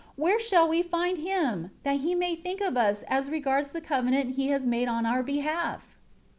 Where shall we find Him, that He may think of us, as regards the covenant He has made on our behalf?"